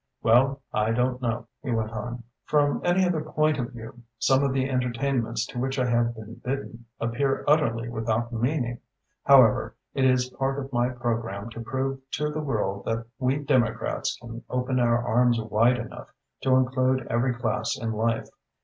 "Well, I don't know," he went on. "From any other point of view, some of the entertainments to which I have been bidden appear utterly without meaning. However, it is part of my programme to prove to the world that we Democrats can open our arms wide enough to include every class in life.